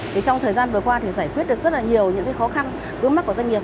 trong thời gian vừa qua giải quyết được rất nhiều khó khăn với mắt của doanh nghiệp